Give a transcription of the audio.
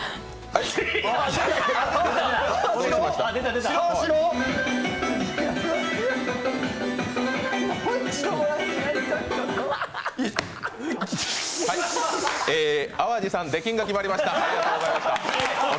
はい、淡路さん、出禁が決まりました。